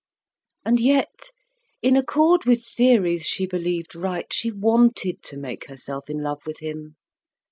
And yet, in accord with theories she believed right, she wanted to make herself in love with him.